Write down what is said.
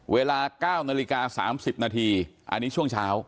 เวลา๙นาฬิกา๓๐นาทีอันนี้ช่วงเช้า